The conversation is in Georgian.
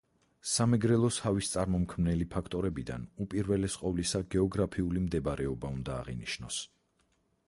სამეგრელოს ჰავის წარმომქმნელი ფაქტორებიდან უპირველეს ყოვლისა გეოგრაფიული მდებარეობა უნდა აღინიშნოს.